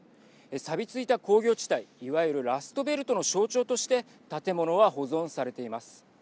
さび付いた工業地帯いわゆるラストベルトの象徴として建物は保存されています。